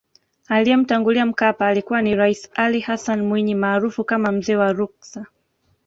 Aliyemtangulia Mkapa alikuwa ni Raisi Ali Hassan Mwinyi maarufu kama mzee wa ruksa